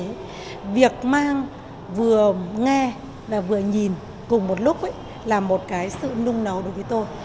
vì việc mang vừa nghe và vừa nhìn cùng một lúc là một cái sự nung nấu đối với tôi